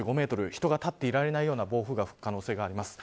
人が立っていられないような暴風が吹く可能性があります。